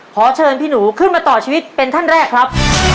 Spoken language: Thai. ขอเชิญพี่หนูขึ้นมาต่อชีวิตเป็นท่านแรกครับ